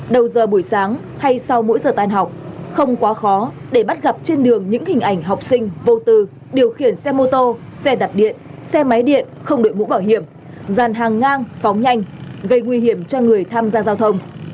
đầu giờ buổi sáng hay sau mỗi giờ tan học không quá khó để bắt gặp trên đường những hình ảnh học sinh vô tư điều khiển xe mô tô xe đạp điện xe máy điện không đội mũ bảo hiểm dàn hàng ngang phóng nhanh gây nguy hiểm cho người tham gia giao thông